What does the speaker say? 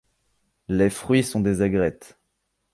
Les fruits sont des aigrettes.